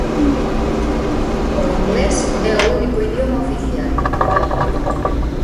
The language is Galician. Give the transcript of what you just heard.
O inglés é o único idioma oficial.